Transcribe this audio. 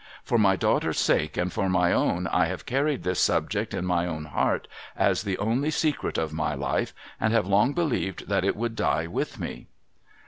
For my daughter's sake and for my own I have carried this subject in my own heart, as the only secret of my life, and have long believed that it would die with me.'